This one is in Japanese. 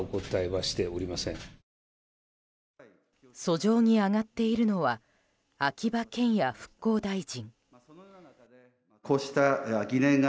俎上に上がっているのは秋葉賢也復興大臣。